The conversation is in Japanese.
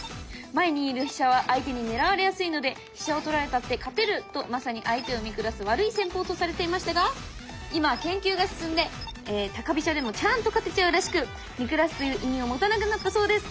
前にいる飛車は相手に狙われやすいので「飛車を取られたって勝てる！」とまさに相手を見下す悪い戦法とされていましたが今研究が進んで高飛車でもちゃんと勝てちゃうらしく見下すという意味を持たなくなったそうです。